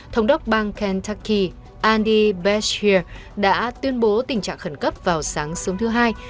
thống đốc bang kentucky andy beshear đã tuyên bố tình trạng khẩn cấp vào sáng sớm thứ hai